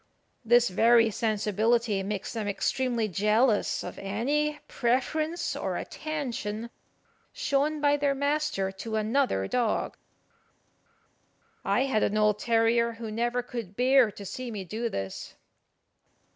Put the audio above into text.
This very sensibility makes them extremely jealous of any preference or attention shown by their master to another dog. I had an old terrier who never could bear to see me do this.